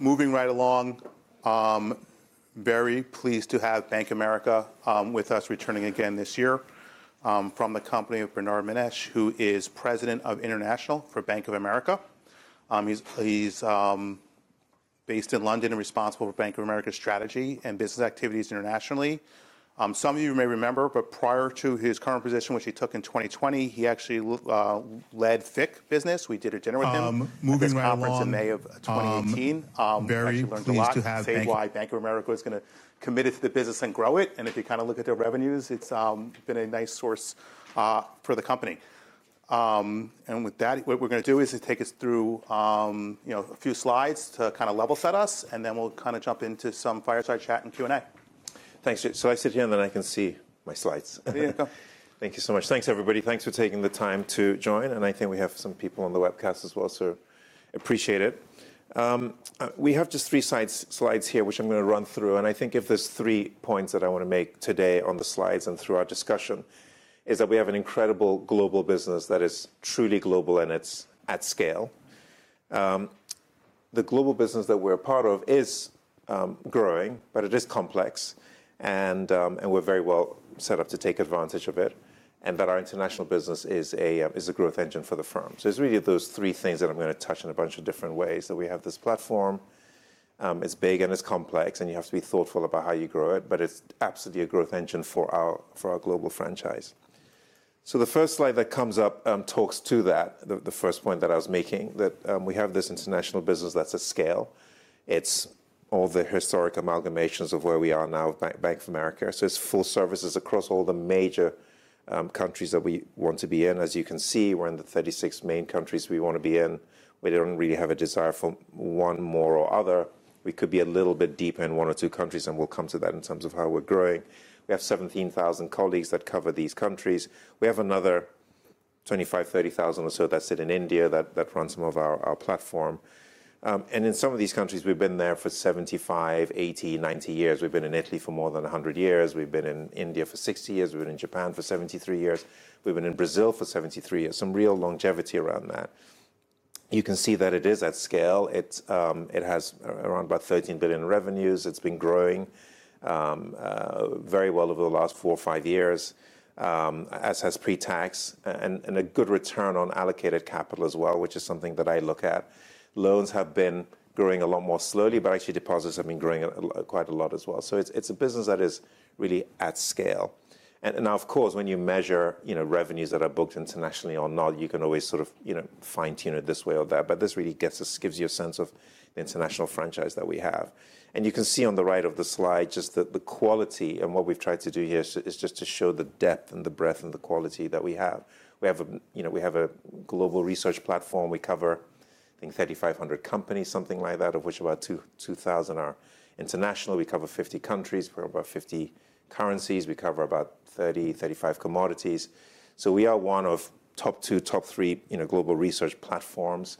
Moving right along, very pleased to have Bank of America with us, returning again this year. From the company of Bernard Mensah, who is President of International for Bank of America. He's based in London and responsible for Bank of America's strategy and business activities internationally. Some of you may remember, but prior to his current position, which he took in 2020, he actually led FICC business. We did a dinner with him- Moving right along.... at this conference in May of 2018. Very pleased to have Bank- Actually learned a lot, said why Bank of America is gonna commit to the business and grow it, and if you kind of look at their revenues, it's been a nice source for the company. And with that, what we're gonna do is he'll take us through, you know, a few slides to kind of level set us, and then we'll kind of jump into some fireside chat and Q&A. Thanks. So I sit here, and then I can see my slides. There you go. Thank you so much. Thanks, everybody. Thanks for taking the time to join, and I think we have some people on the webcast as well, so appreciate it. We have just three slides here, which I'm going to run through, and I think if there's three points that I want to make today on the slides and through our discussion, is that we have an incredible global business that is truly global, and it's at scale. The global business that we're a part of is growing, but it is complex, and we're very well set up to take advantage of it, and that our international business is a growth engine for the firm. So it's really those three things that I'm going to touch on in a bunch of different ways. So we have this platform, it's big and it's complex, and you have to be thoughtful about how you grow it, but it's absolutely a growth engine for our global franchise. The first slide that comes up talks to that, the first point that I was making, that we have this international business that's at scale. It's all the historic amalgamations of where we are now with Bank of America. So it's full services across all the major countries that we want to be in. As you can see, we're in the 36 main countries we want to be in. We don't really have a desire for one more or other. We could be a little bit deeper in one or two countries, and we'll come to that in terms of how we're growing. We have 17,000 colleagues that cover these countries. We have another 25,000-30,000 or so that sit in India, that run some of our platform. And in some of these countries, we've been there for 75, 80, 90 years. We've been in Italy for more than 100 years. We've been in India for 60 years. We've been in Japan for 73 years. We've been in Brazil for 73 years. Some real longevity around that. You can see that it is at scale. It's, it has around about $13 billion in revenues. It's been growing very well over the last four or five years, as has pre-tax and a good return on allocated capital as well, which is something that I look at. Loans have been growing a lot more slowly, but actually, deposits have been growing quite a lot as well. So it's a business that is really at scale. And of course, when you measure, you know, revenues that are booked internationally or not, you can always sort of, you know, fine-tune it this way or that, but this really gets this gives you a sense of the international franchise that we have. And you can see on the right of the slide, just the quality, and what we've tried to do here is just to show the depth and the breadth and the quality that we have. We have, you know, we have a global research platform. We cover, I think, 3,500 companies, something like that, of which about 2,000 are international. We cover 50 countries. We're about 50 currencies. We cover about 30, 35 commodities. So we are one of top two, top three, you know, global research platforms.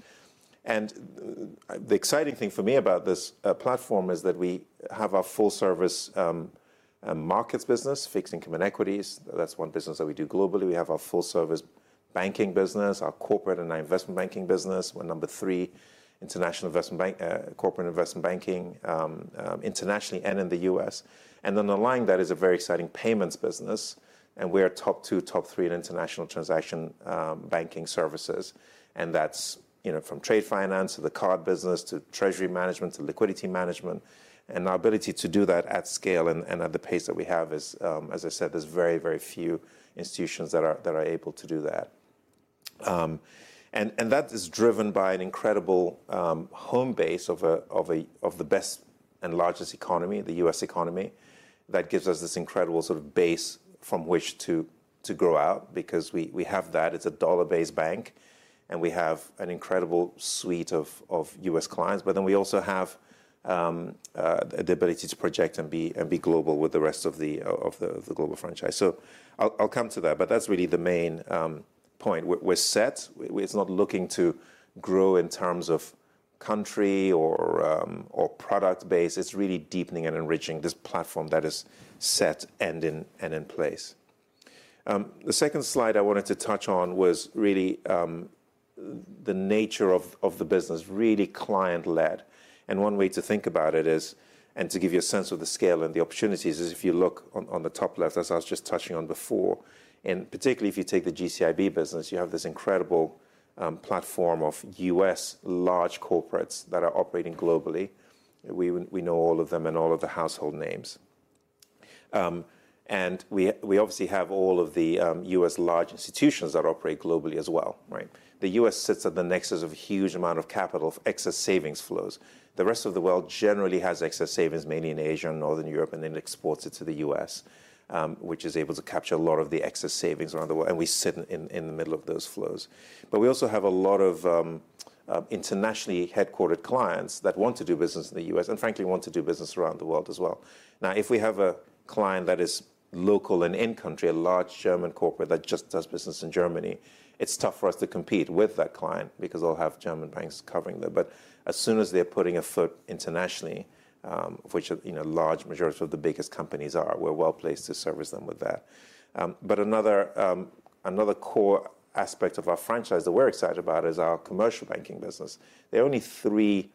And the exciting thing for me about this platform is that we have a full service markets business, fixed income and equities. That's one business that we do globally. We have our full service banking business, our corporate and our investment banking business. We're number three, international investment bank, corporate investment banking, internationally and in the U.S. And then the line that is a very exciting payments business, and we are top two, top three in international transaction banking services. And that's, you know, from trade finance to the card business, to treasury management, to liquidity management, and our ability to do that at scale and at the pace that we have is... As I said, there's very, very few institutions that are able to do that. And that is driven by an incredible home base of the best and largest economy, the U.S. economy. That gives us this incredible sort of base from which to grow out, because we have that. It's a dollar-based bank, and we have an incredible suite of U.S. clients, but then we also have the ability to project and be global with the rest of the global franchise. So I'll come to that, but that's really the main point. We're set. It's not looking to grow in terms of country or product base. It's really deepening and enriching this platform that is set and in place. The second slide I wanted to touch on was really the nature of the business, really client-led. One way to think about it is, and to give you a sense of the scale and the opportunities, is if you look on the top left, as I was just touching on before, and particularly if you take the GCIB business, you have this incredible platform of U.S. large corporates that are operating globally. We know all of them and all of the household names. And we obviously have all of the U.S. large institutions that operate globally as well, right? The U.S. sits at the nexus of a huge amount of capital, of excess savings flows. The rest of the world generally has excess savings, mainly in Asia and Northern Europe, and then exports it to the U.S., which is able to capture a lot of the excess savings around the world, and we sit in, in the middle of those flows. But we also have a lot of internationally headquartered clients that want to do business in the U.S., and frankly, want to do business around the world as well. Now, if we have a client that is local and in-country, a large German corporate that just does business in Germany, it's tough for us to compete with that client because they'll have German banks covering them. But as soon as they're putting a foot internationally, which, you know, large majority of the biggest companies are, we're well placed to service them with that. But another core aspect of our franchise that we're excited about is our commercial banking business. There are only three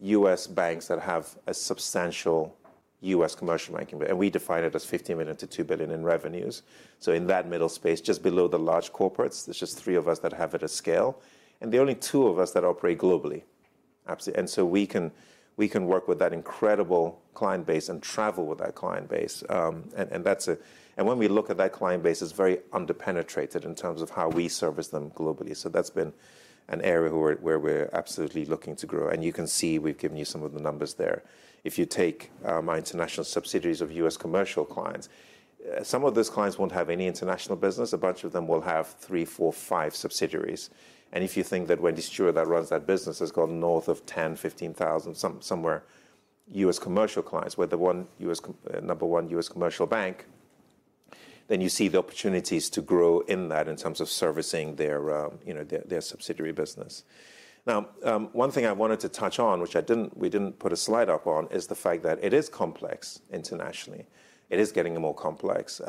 U.S. banks that have a substantial U.S. commercial banking, and we define it as $50 million-$2 billion in revenues. So in that middle space, just below the large corporates, there's just three of us that have it at scale, and the only two of us that operate globally. Absolutely. And so we can work with that incredible client base and travel with that client base. And that's when we look at that client base, it's very under-penetrated in terms of how we service them globally. So that's been an area where we're absolutely looking to grow, and you can see we've given you some of the numbers there. If you take my international subsidiaries of U.S. commercial clients, some of those clients won't have any international business. A bunch of them will have three, four, five subsidiaries. And if you think that Wendy Stewart, that runs that business, has gone north of 10,000, 15,000, somewhere U.S. commercial clients, we're the number one U.S. commercial bank, then you see the opportunities to grow in that in terms of servicing their, you know, their subsidiary business. Now, one thing I wanted to touch on, which I didn't, we didn't put a slide up on, is the fact that it is complex internationally. It is getting more complex.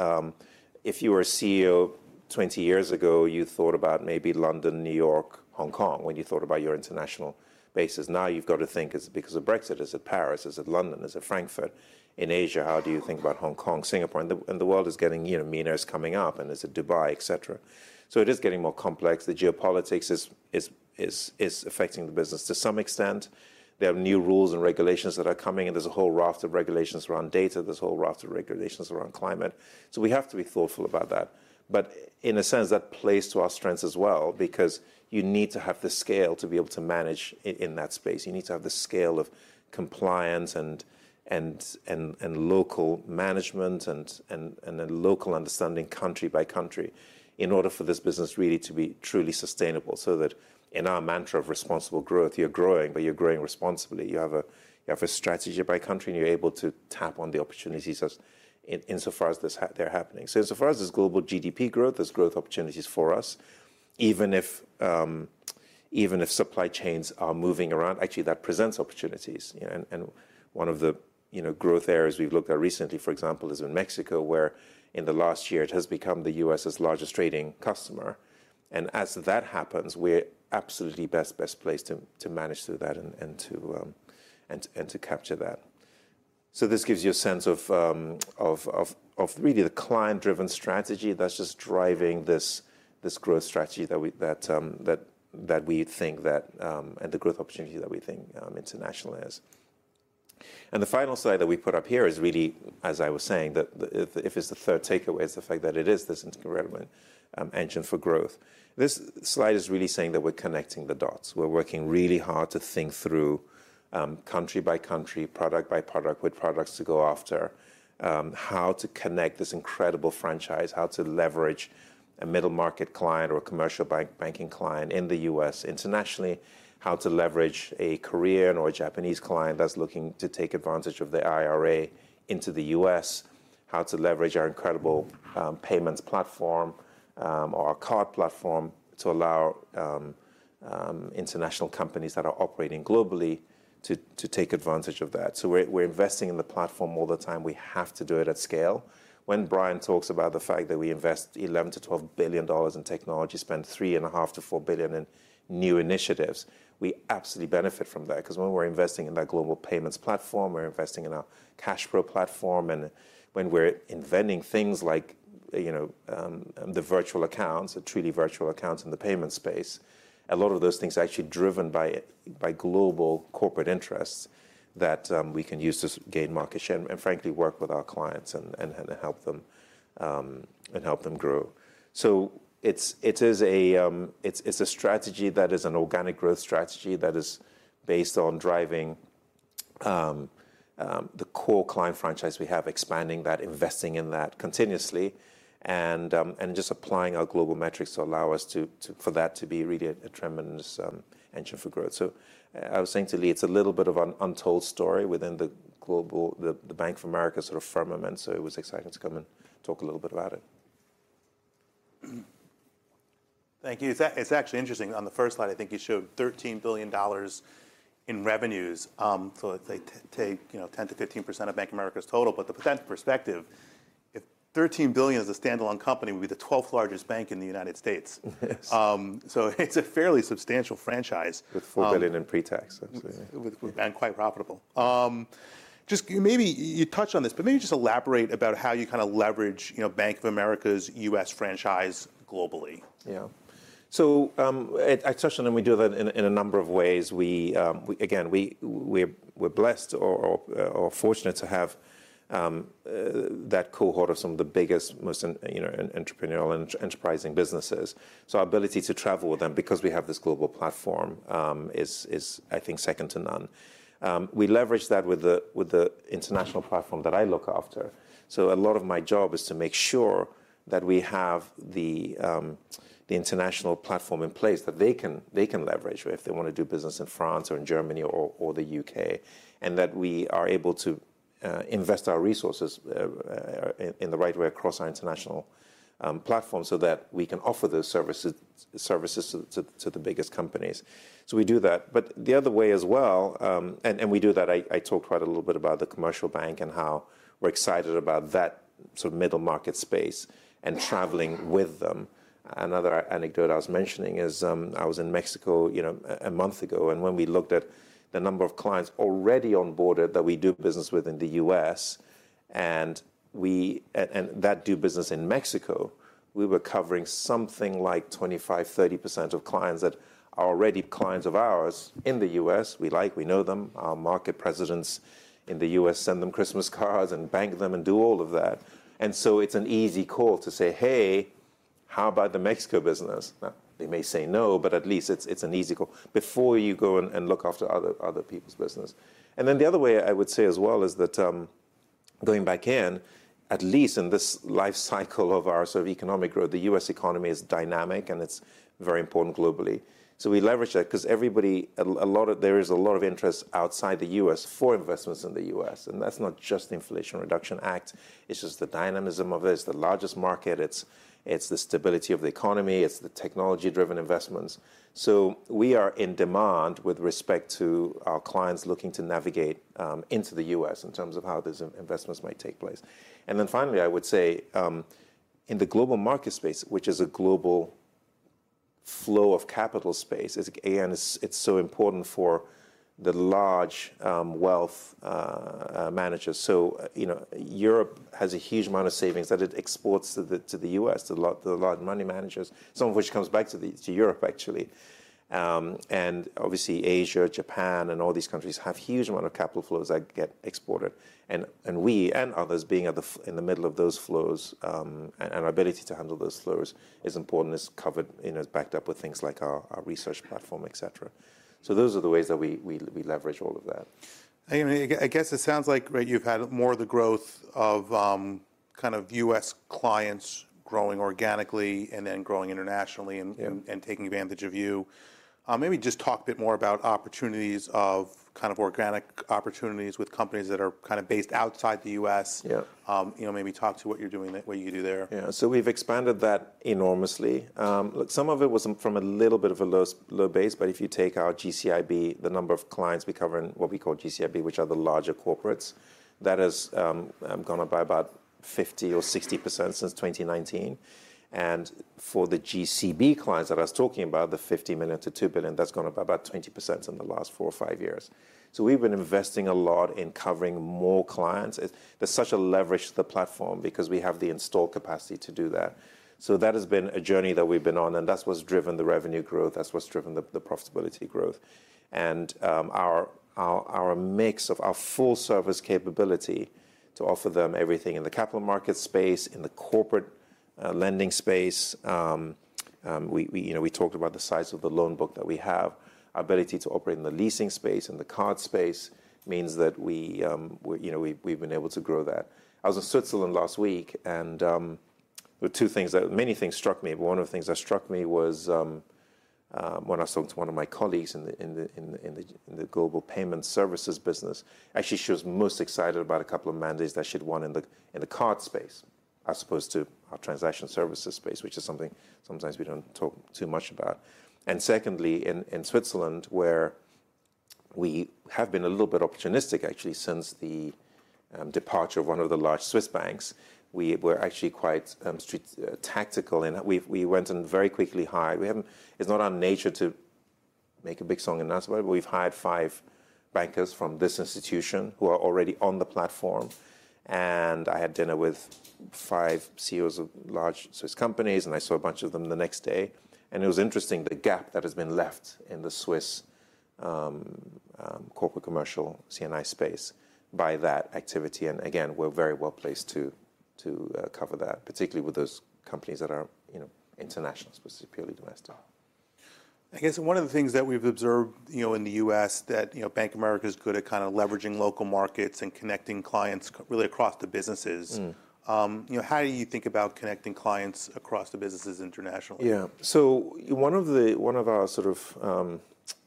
If you were a CEO 20 years ago, you thought about maybe London, New York, Hong Kong, when you thought about your international bases. Now, you've got to think, is it because of Brexit? Is it Paris? Is it London? Is it Frankfurt? In Asia, how do you think about Hong Kong, Singapore? And the world is getting, you know, MENA is coming up, and there's Dubai, et cetera. So it is getting more complex. The geopolitics is affecting the business to some extent. There are new rules and regulations that are coming, and there's a whole raft of regulations around data. There's a whole raft of regulations around climate, so we have to be thoughtful about that. But in a sense, that plays to our strengths as well, because you need to have the scale to be able to manage in that space. You need to have the scale of compliance and local management and a local understanding, country by country, in order for this business really to be truly sustainable, so that in our mantra of responsible growth, you're growing, but you're growing responsibly. You have a strategy by country, and you're able to tap on the opportunities insofar as they're happening. So insofar as there's global GDP growth, there's growth opportunities for us, even if supply chains are moving around, actually, that presents opportunities. You know, and, and one of the, you know, growth areas we've looked at recently, for example, is in Mexico, where in the last year, it has become the U.S.'s largest trading customer, and as that happens, we're absolutely best, best placed to, to manage through that and, and to, and, and to capture that. So this gives you a sense of, of, of, of really the client-driven strategy that's just driving this, this growth strategy that we, that, that, that we think that... and the growth opportunity that we think, internationally is. And the final slide that we put up here is really, as I was saying, that the, if, if it's the third takeaway, it's the fact that it is this incredible, engine for growth. This slide is really saying that we're connecting the dots. We're working really hard to think through, country by country, product by product, what products to go after, how to connect this incredible franchise, how to leverage a middle-market client or a commercial banking client in the U.S. internationally, how to leverage a Korean or a Japanese client that's looking to take advantage of the IRA into the U.S., how to leverage our incredible, payments platform, or our card platform, to allow, international companies that are operating globally to take advantage of that. So we're, we're investing in the platform all the time. We have to do it at scale. When Brian talks about the fact that we invest $11 billion-$12 billion in technology, spend $3.5 billion-$4 billion in new initiatives, we absolutely benefit from that. Because when we're investing in that global payments platform, we're investing in our CashPro platform, and when we're inventing things like, you know, the virtual accounts, the treasury virtual accounts in the payment space, a lot of those things are actually driven by global corporate interests that we can use to gain market share and frankly work with our clients and help them grow. So it is a strategy that is an organic growth strategy that is based on driving the core client franchise we have, expanding that, investing in that continuously, and just applying our global metrics to allow us to for that to be really a tremendous engine for growth. So, I was saying to Lee, it's a little bit of an untold story within the global Bank of America sort of firmament, so it was exciting to come and talk a little bit about it. Thank you. It's actually interesting, on the first slide, I think you showed $13 billion in revenues. So if they take, you know, 10%-15% of Bank of America's total, but the percent perspective, if $13 billion as a standalone company, would be the 12th largest bank in the United States. Yes. It's a fairly substantial franchise. With $4 billion in pre-tax, absolutely. and quite profitable. Just maybe, you touched on this, but maybe just elaborate about how you kind of leverage, you know, Bank of America's U.S. franchise globally. Yeah. So, I touched on, and we do that in a number of ways. We... Again, we're blessed or fortunate to have that cohort of some of the biggest, most, you know, entrepreneurial and enterprising businesses. So our ability to travel with them because we have this global platform is, I think, second to none. We leverage that with the international platform that I look after. So a lot of my job is to make sure that we have the international platform in place, that they can leverage if they want to do business in France or in Germany or the U.K., and that we are able to invest our resources in the right way across our international platform, so that we can offer those services to the biggest companies. So we do that. But the other way as well, and we do that. I talked quite a little bit about the commercial bank and how we're excited about that sort of middle market space and traveling with them. Another anecdote I was mentioning is, I was in Mexico, you know, a month ago, and when we looked at the number of clients already on board that we do business with in the U.S., and we and that do business in Mexico, we were covering something like 25%-30% of clients that are already clients of ours in the U.S. We like, we know them. Our market presidents in the U.S. send them Christmas cards, and bank them, and do all of that. And so it's an easy call to say, "Hey, how about the Mexico business?" Now, they may say no, but at least it's, it's an easy call before you go and and look after other, other people's business. Then the other way I would say as well is that, going back in, at least in this life cycle of our sort of economic growth, the U.S. economy is dynamic, and it's very important globally. So we leverage that 'cause everybody... There is a lot of interest outside the U.S. for investments in the U.S., and that's not just the Inflation Reduction Act, it's just the dynamism of it. It's the largest market, it's, it's the stability of the economy, it's the technology-driven investments. So we are in demand with respect to our clients looking to navigate into the U.S. in terms of how these investments might take place. And then finally, I would say, in the global market space, which is a global flow of capital space, it's, again, it's, it's so important for the large, wealth managers. So, you know, Europe has a huge amount of savings that it exports to the, to the U.S., to a lot, to a lot of money managers, some of which comes back to the, to Europe, actually. And obviously, Asia, Japan, and all these countries have huge amount of capital flows that get exported. And we and others being at the forefront in the middle of those flows, and our ability to handle those flows is important. It's covered, you know, it's backed up with things like our research platform, et cetera. So those are the ways that we leverage all of that. I mean, I guess it sounds like, right, you've had more of the growth of, kind of U.S. clients growing organically and then growing internationally- Yeah... and taking advantage of you. Maybe just talk a bit more about opportunities of kind of organic opportunities with companies that are kind of based outside the US. Yeah. You know, maybe talk to what you're doing there, what you do there. Yeah. So we've expanded that enormously. Some of it was from a little bit of a low base, but if you take our GCIB, the number of clients we cover in what we call GCIB, which are the larger corporates, that has gone up by about 50% or 60% since 2019. And for the GCB clients that I was talking about, the $50 million-$2 billion, that's gone up by about 20% in the last four or five years. So we've been investing a lot in covering more clients. There's such a leverage to the platform because we have the install capacity to do that. So that has been a journey that we've been on, and that's what's driven the revenue growth, that's what's driven the profitability growth. And our mix of our full service capability to offer them everything in the capital market space, in the corporate lending space. You know, we talked about the size of the loan book that we have. Our ability to operate in the leasing space and the card space means that we, you know, we've been able to grow that. I was in Switzerland last week, and there were two things that—many things struck me, but one of the things that struck me was, when I was talking to one of my colleagues in the global payment services business, actually, she was most excited about a couple of mandates that she'd won in the card space, as opposed to our transaction services space, which is something sometimes we don't talk too much about. And secondly, in Switzerland, where we have been a little bit opportunistic, actually, since the departure of one of the large Swiss banks, we were actually quite street tactical in that. We went and very quickly hired... We haven't—it's not our nature to make a big song and dance about it. We've hired five bankers from this institution who are already on the platform, and I had dinner with five CEOs of large Swiss companies, and I saw a bunch of them the next day. And it was interesting, the gap that has been left in the Swiss corporate commercial C&I space by that activity, and again, we're very well placed to cover that, particularly with those companies that are, you know, international, specifically domestic. I guess one of the things that we've observed, you know, in the U.S., that, you know, Bank of America is good at kind of leveraging local markets and connecting clients really across the businesses. Mm. You know, how do you think about connecting clients across the businesses internationally? Yeah. So one of the, one of our sort of,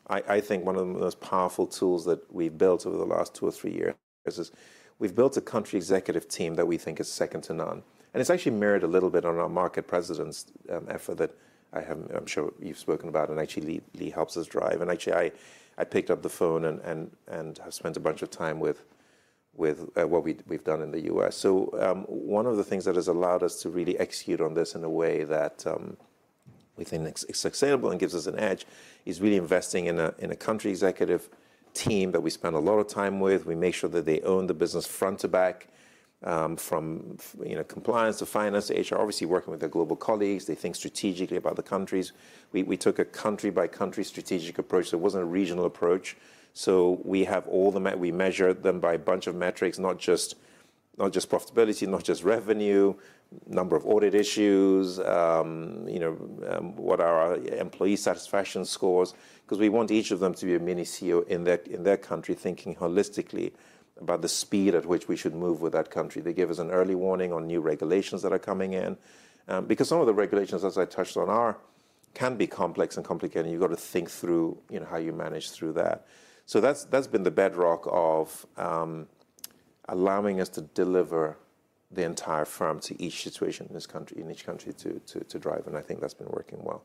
I think one of the most powerful tools that we've built over the last two or three years is, we've built a country executive team that we think is second to none, and it's actually mirrored a little bit on our market president's effort that I have—I'm sure you've spoken about, and actually, Lee helps us drive. And actually, I picked up the phone and have spent a bunch of time with what we've done in the U.S. So, one of the things that has allowed us to really execute on this in a way that we think is sustainable and gives us an edge, is really investing in a country executive team that we spend a lot of time with. We make sure that they own the business front to back, you know, from compliance to finance, HR, obviously working with their global colleagues. They think strategically about the countries. We took a country-by-country strategic approach. There wasn't a regional approach, so we measured them by a bunch of metrics, not just profitability, not just revenue, number of audit issues, what are our employee satisfaction scores? 'Cause we want each of them to be a mini CEO in their country, thinking holistically about the speed at which we should move with that country. They give us an early warning on new regulations that are coming in. Because some of the regulations, as I touched on, can be complex and complicated, and you've got to think through, you know, how you manage through that. So that's been the bedrock of allowing us to deliver the entire firm to each situation in each country to drive, and I think that's been working well.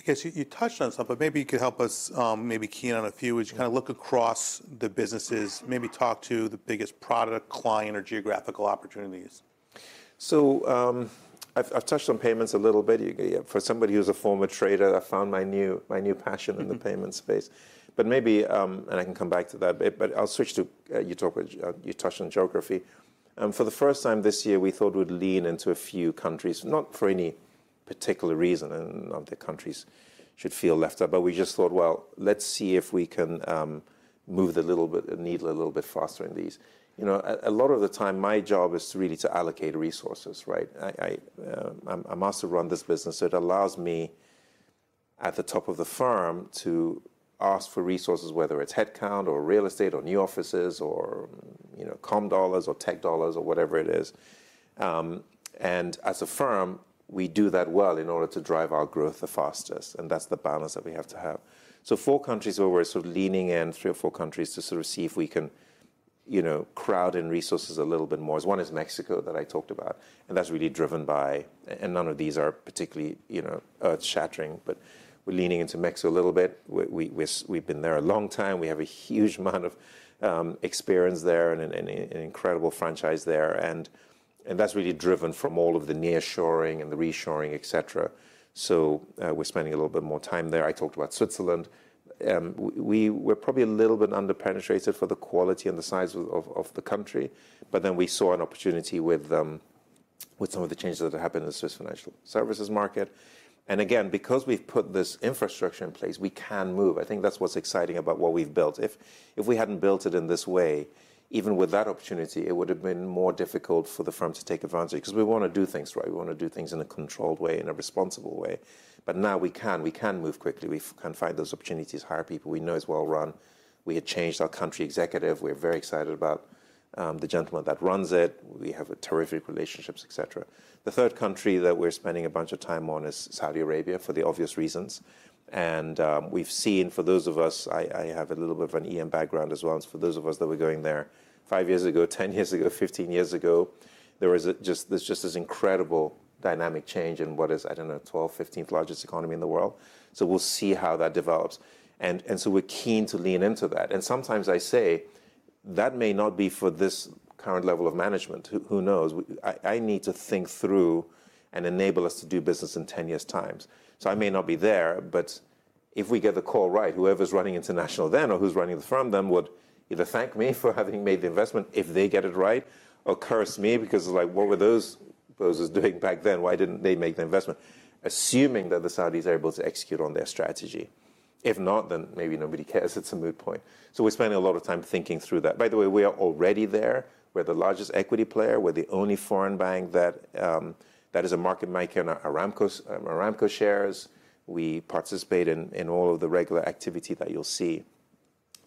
I guess you touched on something, but maybe you could help us, maybe key in on a few. As you kind of look across the businesses, maybe talk to the biggest product, client, or geographical opportunities. I've touched on payments a little bit. For somebody who's a former trader, I found my new passion in the payment space. But maybe I can come back to that bit, but I'll switch to you touched on geography. For the first time this year, we thought we'd lean into a few countries, not for any particular reason, and none of the countries should feel left out, but we just thought, "Well, let's see if we can move the needle a little bit faster in these." You know, a lot of the time, my job is really to allocate resources, right? I'm asked to run this business, so it allows me, at the top of the firm, to ask for resources, whether it's headcount or real estate or new offices or, you know, comm dollars or tech dollars, or whatever it is. And as a firm, we do that well in order to drive our growth the fastest, and that's the balance that we have to have. So four countries where we're sort of leaning in, three or four countries, to sort of see if we can, you know, crowd in resources a little bit more. One is Mexico, that I talked about, and that's really driven by... And none of these are particularly, you know, earth-shattering, but we're leaning into Mexico a little bit. We've been there a long time. We have a huge amount of experience there and an incredible franchise there, and that's really driven from all of the nearshoring and the reshoring, et cetera. So, we're spending a little bit more time there. I talked about Switzerland. We, we're probably a little bit under-penetrated for the quality and the size of the country, but then we saw an opportunity with some of the changes that have happened in the Swiss financial services market. And again, because we've put this infrastructure in place, we can move. I think that's what's exciting about what we've built. If we hadn't built it in this way, even with that opportunity, it would've been more difficult for the firm to take advantage, because we want to do things right. We want to do things in a controlled way and a responsible way. But now we can. We can move quickly. We can find those opportunities, hire people. We know it's well run. We had changed our country executive. We're very excited about the gentleman that runs it. We have terrific relationships, et cetera. The third country that we're spending a bunch of time on is Saudi Arabia, for the obvious reasons. And we've seen, for those of us... I have a little bit of an EM background as well, and so for those of us that were going there five years ago, 10 years ago, 15 years ago, there is just this incredible dynamic change in what is, I don't know, the 12th, 15th largest economy in the world. So we'll see how that develops. And so we're keen to lean into that. Sometimes I say, that may not be for this current level of management. Who knows? I need to think through and enable us to do business in 10 years' time. So I may not be there, but if we get the call right, whoever's running international then or who's running the firm then would either thank me for having made the investment if they get it right, or curse me because, like, "What were those bozos doing back then? Why didn't they make the investment?" Assuming that the Saudis are able to execute on their strategy. If not, then maybe nobody cares. It's a moot point. So we're spending a lot of time thinking through that. By the way, we are already there. We're the largest equity player. We're the only foreign bank that is a market maker in Aramco shares. We participate in all of the regular activity that you'll see.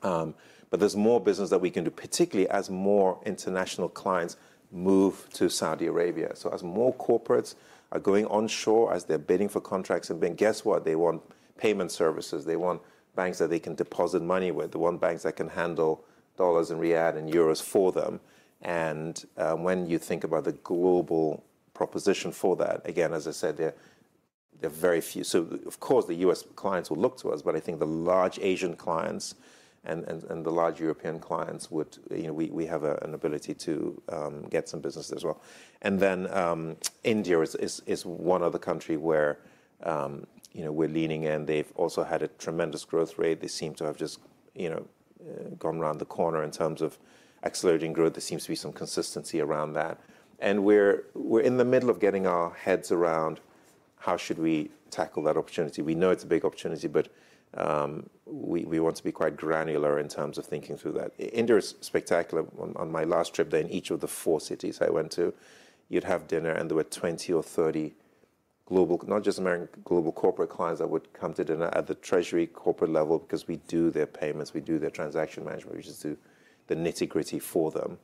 But there's more business that we can do, particularly as more international clients move to Saudi Arabia. So as more corporates are going onshore, as they're bidding for contracts and then guess what? They want payment services. They want banks that they can deposit money with. They want banks that can handle dollars and riyal and euros for them. And when you think about the global proposition for that, again, as I said, there are very few. So of course, the U.S. clients will look to us, but I think the large Asian clients and the large European clients would... You know, we have an ability to get some business there as well. And then India is one other country where, you know, we're leaning in. They've also had a tremendous growth rate. They seem to have just, you know, gone round the corner in terms of accelerating growth. There seems to be some consistency around that. And we're, we're in the middle of getting our heads around how should we tackle that opportunity. We know it's a big opportunity, but, we, we want to be quite granular in terms of thinking through that. India is spectacular. On, on my last trip there, in each of the four cities I went to, you'd have dinner, and there were 20 or 30 global, not just American, global corporate clients that would come to dinner at the treasury corporate level because we do their payments, we do their transaction management. We just do the nitty-gritty for them,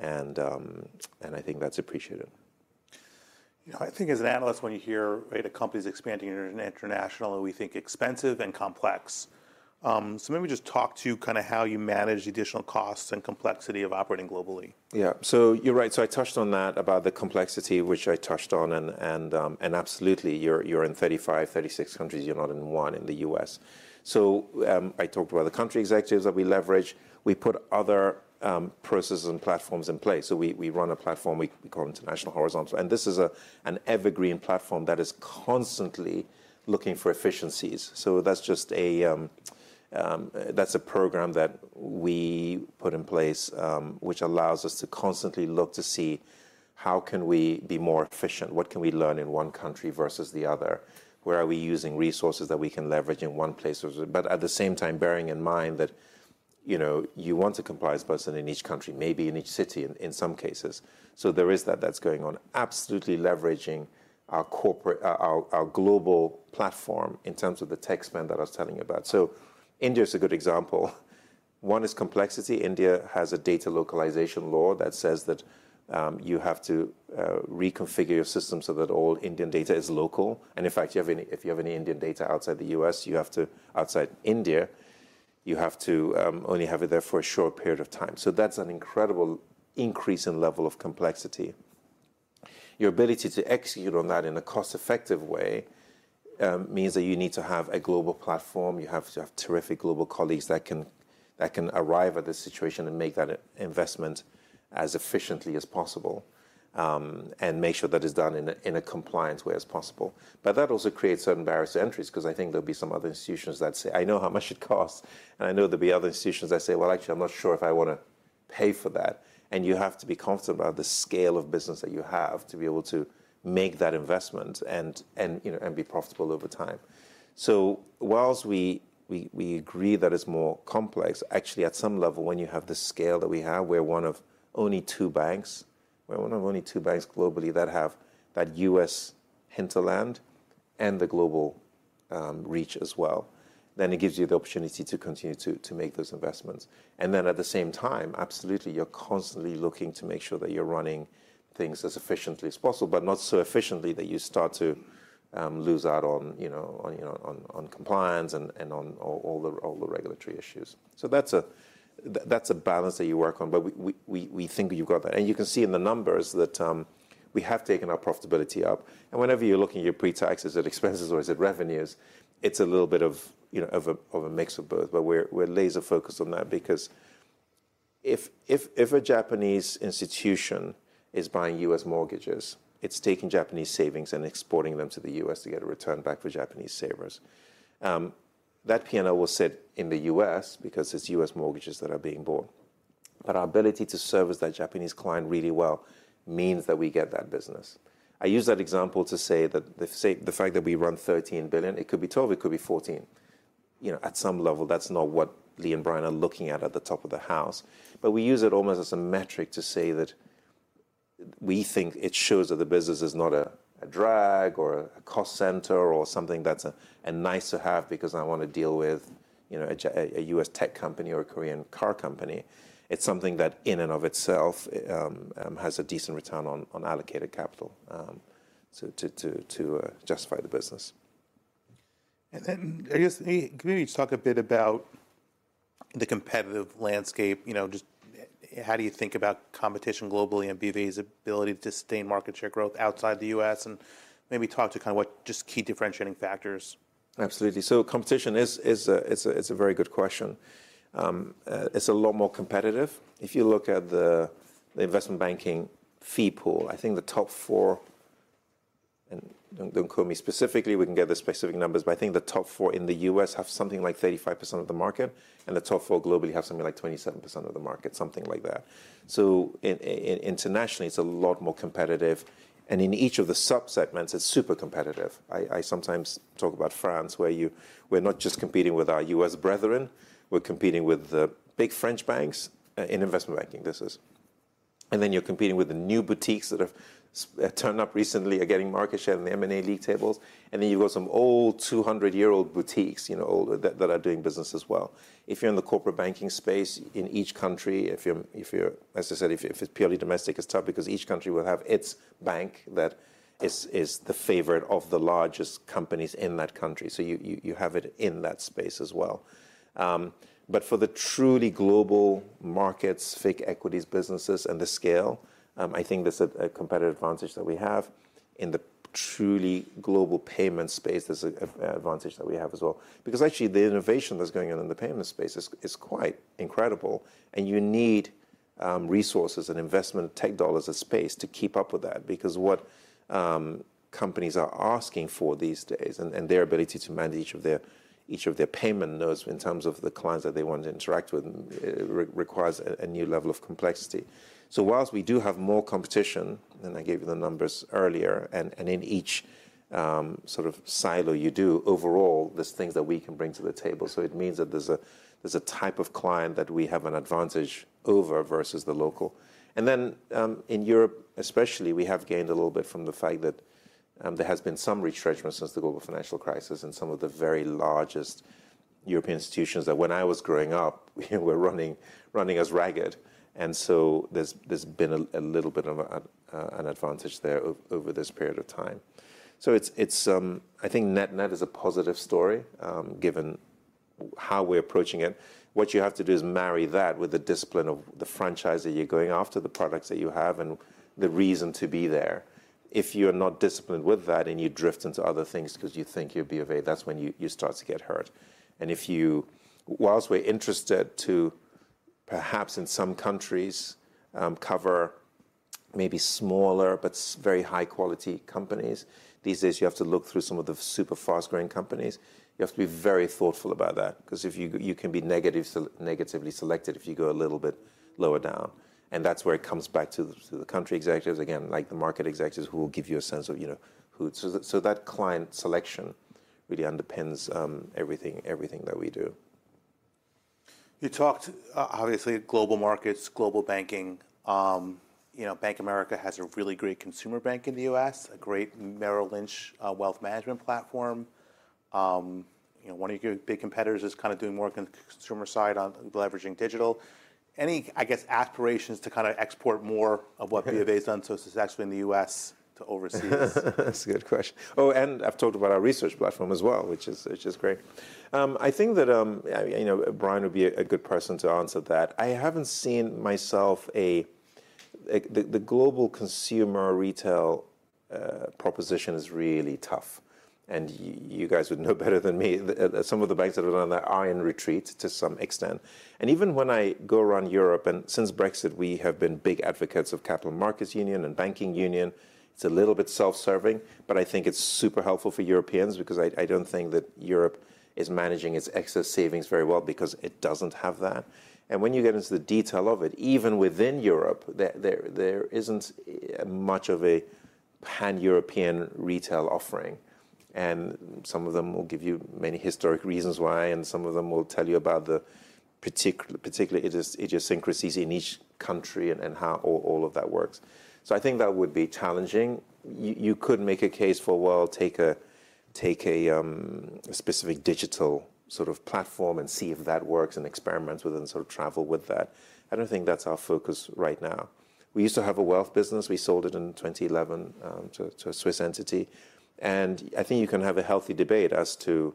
and, and I think that's appreciated. You know, I think as an analyst, when you hear, right, a company's expanding internationally, we think expensive and complex. So maybe just talk to kind of how you manage the additional costs and complexity of operating globally. Yeah. So you're right. So I touched on that, about the complexity, which I touched on. And absolutely, you're in 35, 36 countries. You're not in one, in the US. So I talked about the country executives that we leverage. We put other processes and platforms in place. So we run a platform we call International Horizontal, and this is an evergreen platform that is constantly looking for efficiencies. So that's just a program that we put in place, which allows us to constantly look to see, how can we be more efficient? What can we learn in one country versus the other? Where are we using resources that we can leverage in one place versus, but at the same time, bearing in mind that, you know, you want a compliance person in each country, maybe in each city, in some cases. So there is that that's going on. Absolutely leveraging our corporate, our global platform in terms of the tech spend that I was telling you about. So India is a good example. One is complexity. India has a data localization law that says that, you have to reconfigure your system so that all Indian data is local, and in fact, if you have any Indian data outside the U.S., you have to outside India, you have to only have it there for a short period of time. So that's an incredible increase in level of complexity. Your ability to execute on that in a cost-effective way means that you need to have a global platform. You have to have terrific global colleagues that can arrive at the situation and make that investment as efficiently as possible. And make sure that is done in a compliant way as possible. But that also creates certain barriers to entry, 'cause I think there'll be some other institutions that say, "I know how much it costs," and I know there'll be other institutions that say, "Well, actually, I'm not sure if I wanna pay for that." And you have to be comfortable about the scale of business that you have to be able to make that investment and, you know, and be profitable over time. So whilst we agree that it's more complex, actually, at some level, when you have the scale that we have, we're one of only two banks, we're one of only two banks globally that have that U.S. hinterland and the global reach as well, then it gives you the opportunity to continue to make those investments. And then at the same time, absolutely, you're constantly looking to make sure that you're running things as efficiently as possible, but not so efficiently that you start to lose out on, you know, on compliance and on all the regulatory issues. So that's a balance that you work on, but we think you've got that. And you can see in the numbers that we have taken our profitability up, and whenever you're looking at your pre-taxes, at expenses or is it revenues, it's a little bit of, you know, of a mix of both. But we're laser focused on that because if, if, if a Japanese institution is buying U.S. mortgages, it's taking Japanese savings and exporting them to the U.S. to get a return back for Japanese savers. That P&L will sit in the U.S. because it's U.S. mortgages that are being bought. But our ability to service that Japanese client really well means that we get that business. I use that example to say that the fact that we run $13 billion, it could be $12 billion, it could be $14 billion. You know, at some level, that's not what Lee and Brian are looking at, at the top of the house. But we use it almost as a metric to say that we think it shows that the business is not a drag or a cost center or something that's a nice to have because I want to deal with, you know, a U.S. tech company or a Korean car company. It's something that, in and of itself, has a decent return on allocated capital, so to justify the business. Then, I guess, can you talk a bit about the competitive landscape, you know, just how do you think about competition globally and BV's ability to sustain market share growth outside the U.S.? And maybe talk to kind of what just key differentiating factors. Absolutely. So competition is a very good question. It's a lot more competitive. If you look at the investment banking fee pool, I think the top four, and don't quote me specifically, we can get the specific numbers, but I think the top four in the U.S. have something like 35% of the market, and the top four globally have something like 27% of the market, something like that. So internationally, it's a lot more competitive, and in each of the sub-segments, it's super competitive. I sometimes talk about France, where we're not just competing with our U.S. brethren, we're competing with the big French banks in investment banking business. And then you're competing with the new boutiques that have turned up recently, are getting market share in the M&A league tables. Then you've got some old 200-year-old boutiques, you know, that are doing business as well. If you're in the corporate banking space, in each country, if you're... As I said, if it's purely domestic, it's tough because each country will have its bank that is the favorite of the largest companies in that country, so you have it in that space as well. But for the truly global markets, FIC, equities, businesses, and the scale, I think that's a competitive advantage that we have. In the truly global payment space, there's a advantage that we have as well. Because actually the innovation that's going on in the payment space is quite incredible, and you need resources and investment, tech dollars and space to keep up with that. Because what companies are asking for these days, and their ability to manage each of their payment nodes in terms of the clients that they want to interact with, requires a new level of complexity. So while we do have more competition, and I gave you the numbers earlier, and in each sort of silo you do, overall, there's things that we can bring to the table. So it means that there's a type of client that we have an advantage over versus the local. And then, in Europe especially, we have gained a little bit from the fact that, there has been some retrenchment since the Global Financial Crisis, and some of the very largest European institutions that when I was growing up, were running us ragged. And so there's been a little bit of an advantage there over this period of time. So it's, I think net:net is a positive story, given how we're approaching it. What you have to do is marry that with the discipline of the franchise that you're going after, the products that you have, and the reason to be there. If you're not disciplined with that and you drift into other things 'cause you think you're BofA, that's when you start to get hurt. And if you... Whilst we're interested to, perhaps in some countries, cover maybe smaller but very high-quality companies, these days you have to look through some of the super fast-growing companies. You have to be very thoughtful about that, 'cause if you can be negatively selected if you go a little bit lower down, and that's where it comes back to the country executives, again, like the market executives, who will give you a sense of, you know, who... So that client selection really underpins everything, everything that we do. You talked, obviously global markets, global banking. You know, Bank of America has a really great consumer bank in the U.S., a great Merrill Lynch, wealth management platform. You know, one of your big competitors is kind of doing more on consumer side on leveraging digital. Any, I guess, aspirations to kind of export more of what- Yeah... BofA has done so successfully in the U.S. to overseas? That's a good question. Oh, and I've talked about our research platform as well, which is, which is great. I think that, you know, Brian would be a good person to answer that. I haven't seen myself the global consumer retail proposition is really tough, and you guys would know better than me, some of the banks that are on that are in retreat to some extent. And even when I go around Europe, and since Brexit, we have been big advocates of Capital Markets Union and Banking Union. It's a little bit self-serving, but I think it's super helpful for Europeans, because I don't think that Europe is managing its excess savings very well because it doesn't have that. When you get into the detail of it, even within Europe, there isn't much of a pan-European retail offering, and some of them will give you many historic reasons why, and some of them will tell you about the particular idiosyncrasies in each country and how all of that works. So I think that would be challenging. You could make a case for, well, take a specific digital sort of platform and see if that works and experiment with and sort of travel with that. I don't think that's our focus right now. We used to have a wealth business. We sold it in 2011 to a Swiss entity, and I think you can have a healthy debate as to...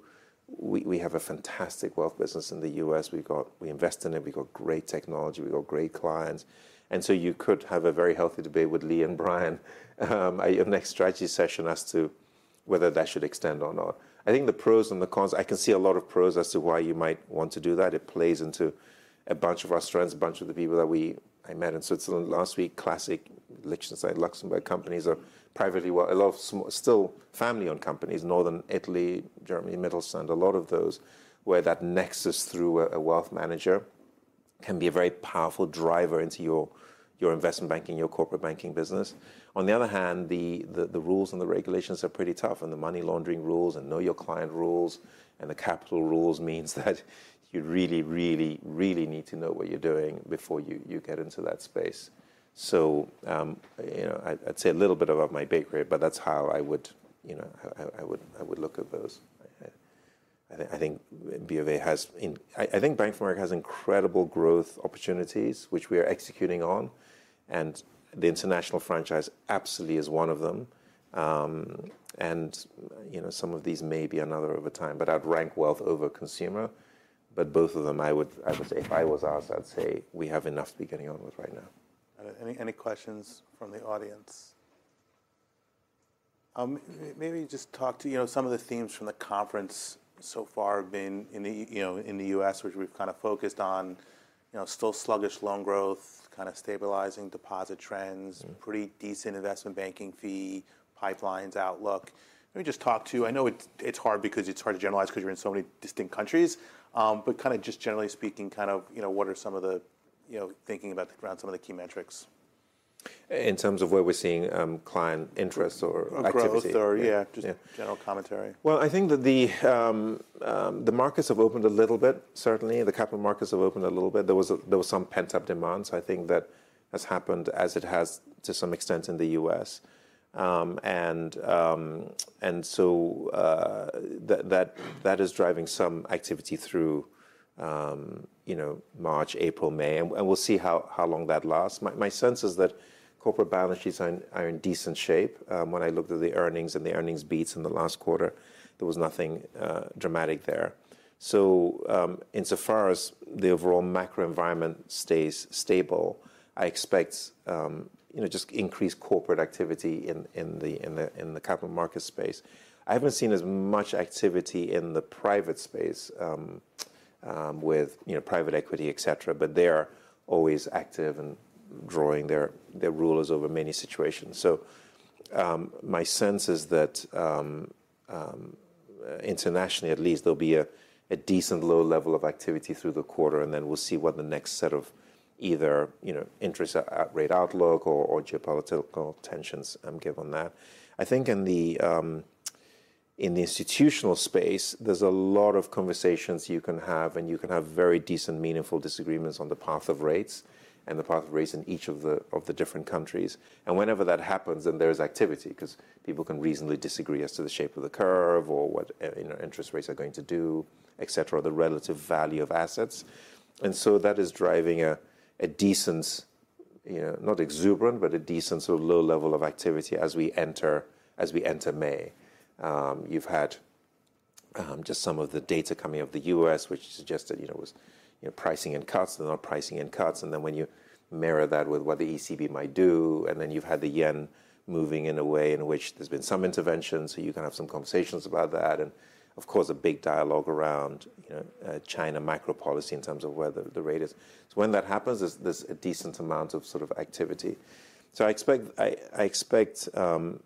We have a fantastic wealth business in the U.S. We've got we invest in it. We've got great technology. We've got great clients. And so you could have a very healthy debate with Lee and Brian at your next strategy session as to whether that should extend or not. I think the pros and the cons, I can see a lot of pros as to why you might want to do that. It plays into a bunch of our strengths, a bunch of the people that I met in Switzerland last week, classic Liechtenstein, Luxembourg companies or privately. Well, a lot of still family-owned companies, Northern Italy, Germany, Mittelstand, a lot of those, where that nexus through a wealth manager can be a very powerful driver into your investment banking, your corporate banking business. On the other hand, the rules and the regulations are pretty tough, and the money laundering rules and know-your-client rules and the capital rules means that you really, really, really need to know what you're doing before you get into that space. So, you know, I'd say a little bit above my pay grade, but that's how I would, you know, look at those. I think Bank of America has incredible growth opportunities, which we are executing on, and the international franchise absolutely is one of them. And, you know, some of these may be another over time, but I'd rank wealth over consumer. But both of them, I would say, if I was asked, I'd say we have enough to be getting on with right now. Any, any questions from the audience? Maybe just talk to, you know, some of the themes from the conference so far have been in the, you know, in the U.S., which we've kind of focused on, you know, still sluggish loan growth, kind of stabilizing deposit trends. Mm. Pretty decent investment banking fee, pipelines outlook. Let me just talk to... I know it's, it's hard because it's hard to generalize because you're in so many distinct countries, but kind of just generally speaking, kind of, you know, what are some of the, you know, thinking about the ground, some of the key metrics? In terms of where we're seeing, client interest or activity? Or growth or, yeah- Yeah... just general commentary. Well, I think that the markets have opened a little bit, certainly. The capital markets have opened a little bit. There was some pent-up demand, so I think that has happened as it has to some extent in the U.S. And so that is driving some activity through, you know, March, April, May, and we'll see how long that lasts. My sense is that corporate balance sheets are in decent shape. When I looked at the earnings and the earnings beats in the last quarter, there was nothing dramatic there. So, insofar as the overall macro environment stays stable, I expect, you know, just increased corporate activity in the capital market space. I haven't seen as much activity in the private space, with, you know, private equity, et cetera, but they're always active in drawing their, their rulers over many situations. So, my sense is that, internationally at least, there'll be a decent low level of activity through the quarter, and then we'll see what the next set of either, you know, interest rate outlook or, or geopolitical tensions, give on that. I think in the institutional space, there's a lot of conversations you can have, and you can have very decent, meaningful disagreements on the path of rates and the path of rates in each of the, of the different countries. And whenever that happens, then there's activity, 'cause people can reasonably disagree as to the shape of the curve or what, you know, interest rates are going to do, et cetera, the relative value of assets. And so that is driving a, a decent, you know, not exuberant, but a decent sort of low level of activity as we enter, as we enter May. You've had just some of the data coming out of the U.S., which suggested, you know, it was, you know, pricing and cuts and not pricing and cuts, and then when you mirror that with what the ECB might do, and then you've had the yen moving in a way in which there's been some intervention, so you can have some conversations about that. Of course, a big dialogue around, you know, China macro policy in terms of where the, the rate is. So when that happens, there's, there's a decent amount of sort of activity. I expect, I'm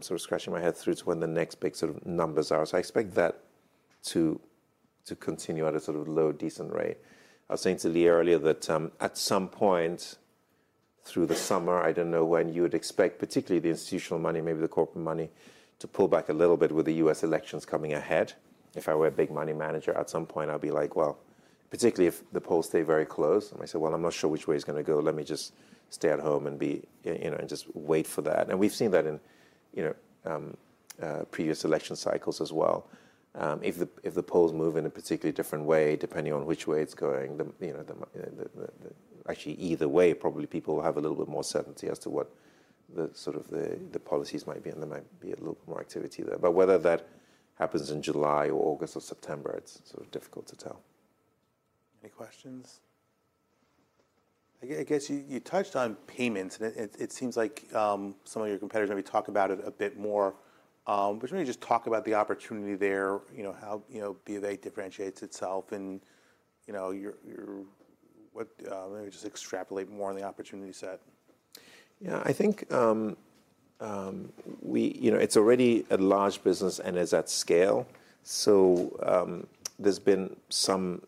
sort of scratching my head through to when the next big sort of numbers are. I expect that to continue at a sort of low, decent rate. I was saying to Lee earlier that, at some point through the summer, I don't know when you would expect, particularly the institutional money, maybe the corporate money, to pull back a little bit with the U.S. elections coming ahead. If I were a big money manager, at some point, I'd be like, "Well..." Particularly if the polls stay very close, and I say, "Well, I'm not sure which way it's going to go. Let me just stay at home and be, you know, and just wait for that." And we've seen that in, you know, previous election cycles as well. If the polls move in a particularly different way, depending on which way it's going, you know, actually, either way, probably people will have a little bit more certainty as to what the sort of policies might be, and there might be a little more activity there. But whether that happens in July or August or September, it's sort of difficult to tell.... Any questions? I guess you touched on payments, and it seems like some of your competitors maybe talk about it a bit more. But why don't you just talk about the opportunity there, you know, how, you know, BofA differentiates itself, and, you know, your, your, what... Maybe just extrapolate more on the opportunity set. Yeah, I think, we, you know, it's already a large business and is at scale. So, there's been some,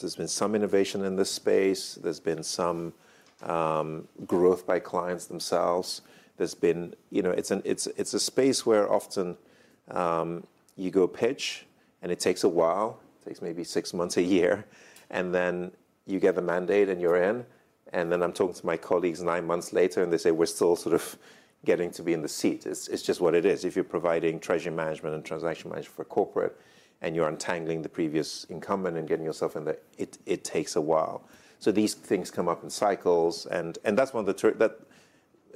there's been some innovation in this space. There's been some growth by clients themselves. There's been, you know, it's it's, it's a space where often you go pitch, and it takes a while. It takes maybe six months, a year, and then you get the mandate, and you're in, and then I'm talking to my colleagues nine months later, and they say, "We're still sort of getting to be in the seat." It's, it's just what it is. If you're providing treasury management and transaction management for a corporate, and you're untangling the previous incumbent and getting yourself in there, it, it takes a while. So these things come up in cycles, and, and that's one of the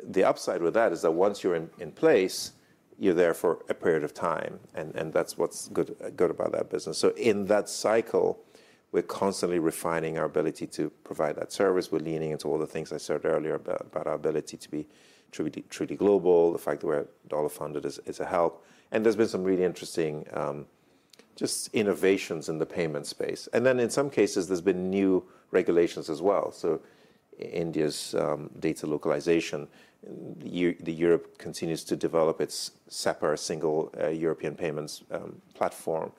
that... The upside with that is that once you're in place, you're there for a period of time, and that's what's good about that business. So in that cycle, we're constantly refining our ability to provide that service. We're leaning into all the things I said earlier about our ability to be truly global. The fact that we're dollar-funded is a help, and there's been some really interesting just innovations in the payment space, and then in some cases, there's been new regulations as well. So India's data localization, Europe continues to develop its SEPA, single European payments platform.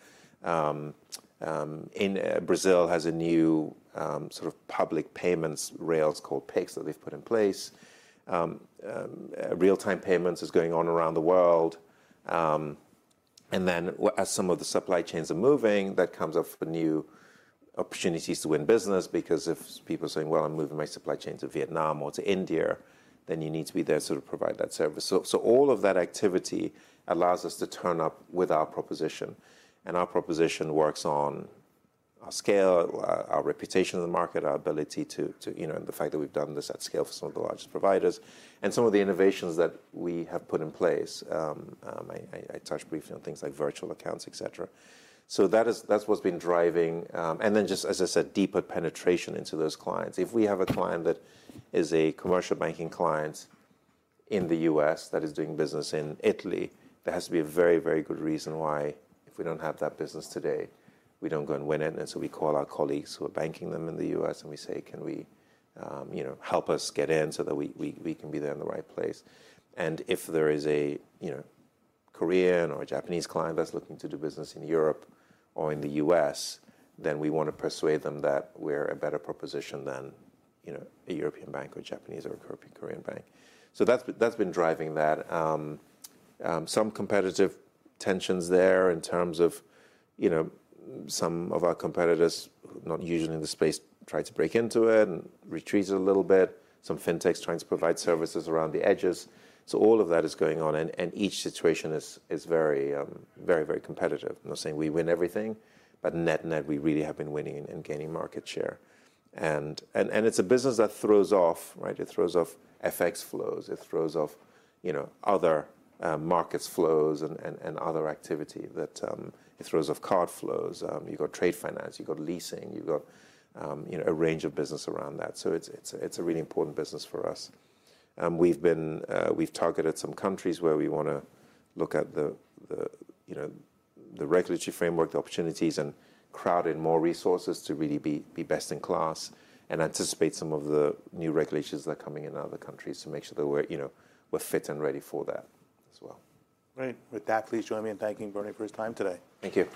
In Brazil has a new sort of public payments rails called Pix that they've put in place. Real-time payments is going on around the world. And then as some of the supply chains are moving, that comes up with new opportunities to win business because if people are saying, "Well, I'm moving my supply chain to Vietnam or to India," then you need to be there to sort of provide that service. So all of that activity allows us to turn up with our proposition, and our proposition works on our scale, our reputation in the market, our ability to, you know, and the fact that we've done this at scale for some of the largest providers and some of the innovations that we have put in place. I touched briefly on things like virtual accounts, et cetera. So that is what's been driving. And then just, as I said, deeper penetration into those clients. If we have a client that is a Commercial Banking client in the U.S. that is doing business in Italy, there has to be a very, very good reason why, if we don't have that business today, we don't go and win it, and so we call our colleagues who are banking them in the U.S., and we say, "Can we..." you know, "Help us get in so that we can be there in the right place." And if there is a you know, Korean or a Japanese client that's looking to do business in Europe or in the U.S., then we want to persuade them that we're a better proposition than, you know, a European bank or Japanese or a Korean bank. So that's been driving that. Some competitive tensions there in terms of, you know, some of our competitors not usually in the space try to break into it and retreat a little bit. Some fintechs trying to provide services around the edges. So all of that is going on, and each situation is very, very competitive. I'm not saying we win everything, but net-net, we really have been winning and gaining market share. And it's a business that throws off, right? It throws off FX flows. It throws off, you know, other markets flows and other activity that... It throws off card flows. You've got trade finance, you've got leasing, you've got, you know, a range of business around that. So it's a really important business for us. And we've been... We've targeted some countries where we wanna look at the, you know, the regulatory framework, the opportunities, and crowd in more resources to really be best in class and anticipate some of the new regulations that are coming in other countries to make sure that we're, you know, we're fit and ready for that as well. Great. With that, please join me in thanking Bernie for his time today. Thank you.